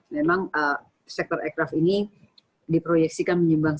memang sektor ekraf ini diproyeksikan menyebarkan